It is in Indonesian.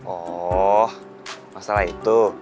oh masalah itu